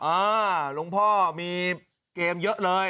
หลวงพ่อมีเกมเยอะเลย